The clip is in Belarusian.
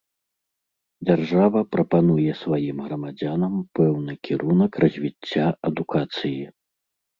Дзяржава прапануе сваім грамадзянам пэўны кірунак развіцця адукацыі.